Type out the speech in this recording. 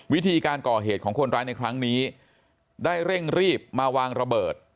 วิธีการก่อเหตุของคนร้ายในครั้งนี้ได้เร่งรีบมาวางระเบิด